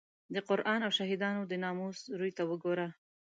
د قران او شهیدانو د ناموس روی ته وګوره.